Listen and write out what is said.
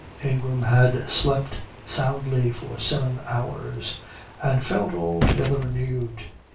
Ingram had slept soundly for seven hours, and felt altogether renewed.